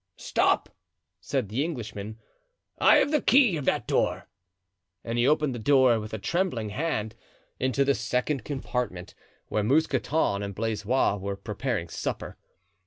"Stop!" said the Englishman, "I have the key of that door;" and he opened the door, with a trembling hand, into the second compartment, where Mousqueton and Blaisois were preparing supper.